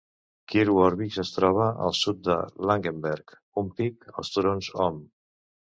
Kirchworbis es troba al sud de Langenberg, un pic als turons Ohm.